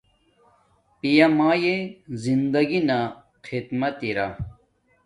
پیا مایے زندگی نا خدمت ارا